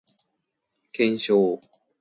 検証